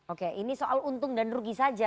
oke ini soal untung dan rugi saja